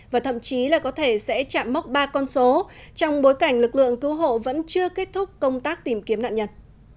và thậm chí là có thể sẽ chạm mốc ba con số trong bối cảnh lực lượng cứu hộ vẫn chưa kết thúc công tác tìm kiếm nạn nhân